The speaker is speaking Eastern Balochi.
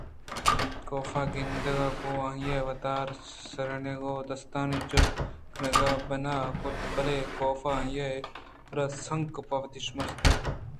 کاف ءِ گندگ ءَ گوں آئی ءَوتارا سُرینگ ءُ دستانی چست کنگ بنا کُت بلئے کاف آئی ءَ راترسینگءَ پہ وتی شہمات چست کُت تاں کہ بزانت کہ کاف وتی ارادہ ءَ پہ آئی ءِدزبندی ءَ ہلاس نہ کنت